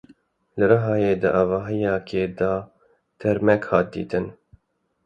Li Rihayê di avahiyekê de termek hat dîtin.